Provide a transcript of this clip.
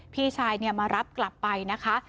พี่ชายมารับกลับไปนะคะ